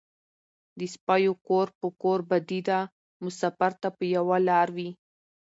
ـ د سپيو کور په کور بدي ده مسافر ته په يوه لار وي.